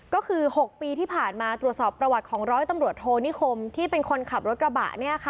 ก็คือ๖ปีที่ผ่านมาตรวจสอบประวัติของร้อยตำรวจโทนิคมที่เป็นคนขับรถกระบะ